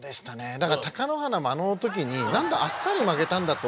だから貴乃花もあの時に何だあっさり負けたんだって思ってたんですけど。